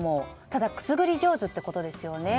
ただくすぐり上手ってことですよね。